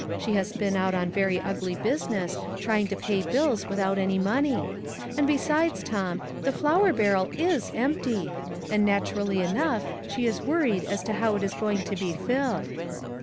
She has been out on very ugly business, trying to pay bills without any money ; and besides, Tom, the flour barrel is empty, and naturally enough, she is worried as to how it is going to be filled."